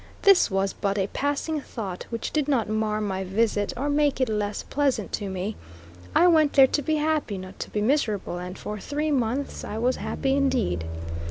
This was but a passing thought which did not mar my visit, or make it less pleasant to me. I went there to be happy, not to be miserable, and for three months I was happy indeed.